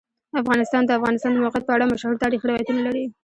افغانستان د د افغانستان د موقعیت په اړه مشهور تاریخی روایتونه لري.